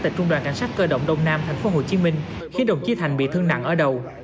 tại trung đoàn cảnh sát cơ động đông nam tp hcm khiến đồng chí thành bị thương nặng ở đầu